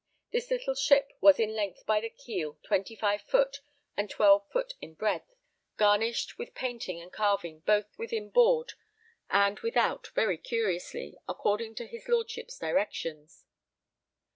This little ship was in length by the keel 25 foot, and 12 foot in breadth, garnished with painting and carving both within board and without very curiously, according to his Lordship's directions.